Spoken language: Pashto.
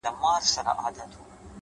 د وخت احترام د ژوند احترام دی’